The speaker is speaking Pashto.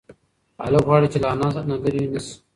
هلک غواړي چې له انا نه لرې نشي.